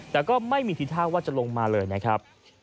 แต่ก็ไม่มีทีท่าว่าจะลงมาเลยนะครับ